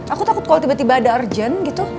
aku takut kalau tiba tiba ada urgent gitu